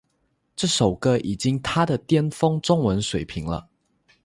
这首歌已经她的巅峰中文水平了